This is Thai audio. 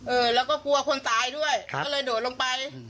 เออแล้วก็กลัวคนตายด้วยก็เลยโดดลงไป